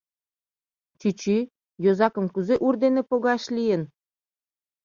Чӱчӱ, йозакым кузе ур дене погаш лийын?